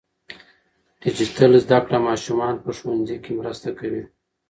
ډیجیټل زده کړه ماشومان په ښوونځي کې مرسته کوي.